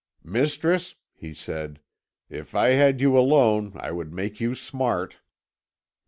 "Mistress," he said, "if I had you alone I would make you smart."